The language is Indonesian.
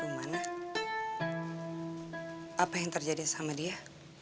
rumah anak apa yang terjadi sama dia